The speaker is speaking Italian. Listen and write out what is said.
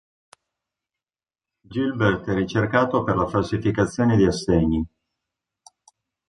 Gilbert è ricercato per la falsificazione di assegni.